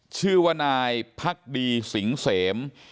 ชื่อวนายพักดีศิงเศม